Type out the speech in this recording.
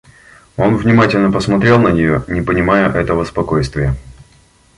Он внимательно посмотрел на нее, не понимая этого спокойствия.